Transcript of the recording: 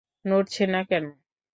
নড়ছে না কেন?